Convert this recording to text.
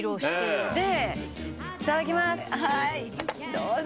どうぞ。